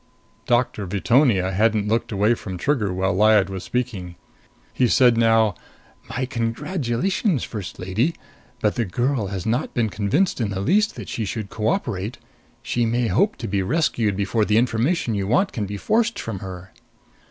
Doctor Veetonia hadn't looked away from Trigger while Lyad was speaking. He said now, "My congratulations, First Lady! But the girl has not been convinced in the least that she should cooperate. She may hope to be rescued before the information you want can be forced from her."